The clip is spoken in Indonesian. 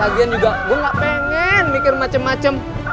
lagian juga gue gak pengen mikir macem macem